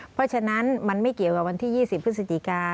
เพราะฉะนั้นมันไม่เกี่ยวกับวันที่๒๐พฤศจิกา